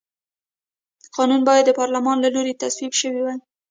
قانون باید د پارلمان له لوري تصویب شوی وي.